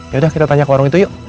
yaudah kita tanya ke warung itu yuk